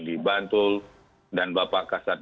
di bantul dan bapak kasat